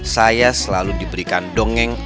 saya selalu diberikan dongeng